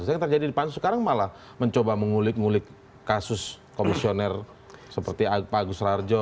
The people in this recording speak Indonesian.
yang terjadi di pansus sekarang malah mencoba mengulik ngulik kasus komisioner seperti pak agus rarjo